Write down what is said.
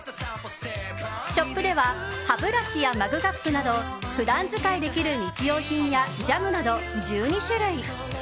ショップでは歯ブラシやマグカップなど普段使いできる日用品やジャムなど１２種類。